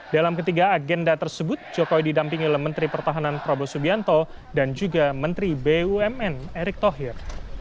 dalam ketiga agenda tersebut jokowi didampingi oleh menteri pertahanan prabowo subianto dan juga menteri bumn erick thohir